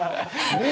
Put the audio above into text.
ねえ。